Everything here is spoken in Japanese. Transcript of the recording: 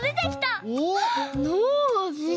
「ノージー」。